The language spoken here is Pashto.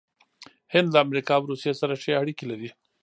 هند له امریکا او روسیې سره ښې اړیکې لري.